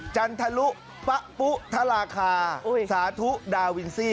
จันทรุปะปุทราคาสาธุดาวินซี่